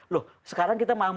loh sekarang kita malah musim